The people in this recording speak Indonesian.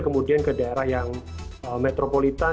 kemudian ke daerah yang metropolitan